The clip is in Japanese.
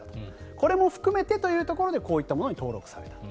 これも含めてというところでこういったものに登録されたと。